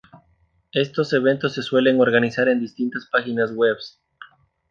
Estos eventos se suelen organizar en distintas páginas webs.